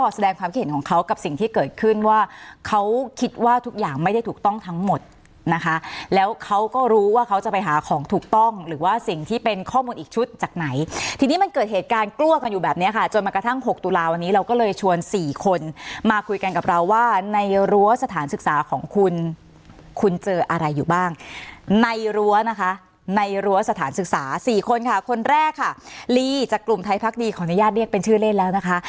แสดงความคิดเห็นของเขากับสิ่งที่เกิดขึ้นว่าเขาคิดว่าทุกอย่างไม่ได้ถูกต้องทั้งหมดนะคะแล้วเขาก็รู้ว่าเขาจะไปหาของถูกต้องหรือว่าสิ่งที่เป็นข้อมูลอีกชุดจากไหนที่นี่มันเกิดเหตุการณ์กล้วกันอยู่แบบนี้ค่ะจนมากระทั่งหกตุลาวนี้เราก็เลยชวนสี่คนมาคุยกันกับเราว่าในรั้วสถานศึกษาของคุณคุณ